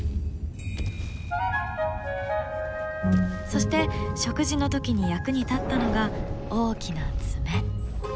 そして食事の時に役に立ったのが大きな爪。